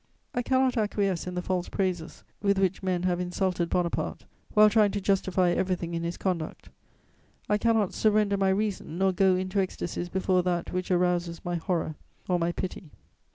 I cannot acquiesce in the false praises with which men have insulted Bonaparte, while trying to justify everything in his conduct; I cannot surrender my reason nor go into ecstasies before that which arouses my horror or my pity.